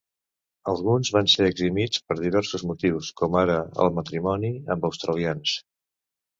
Alguns van ser eximits per diversos motius, com ara el matrimoni amb australians.